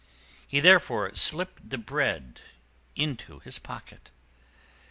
He therefore slipped the bread into his pocket.